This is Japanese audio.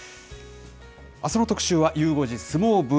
あすの特集はゆう５時相撲部。